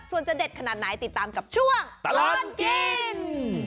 ส่วนจะเด็ดขนาดไหนติดตามกับช่วงตลอดกิน